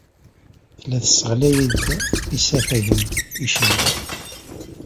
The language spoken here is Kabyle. Tella tesseɣlay-d isafagen icenga.